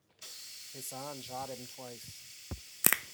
Hassan shot him twice.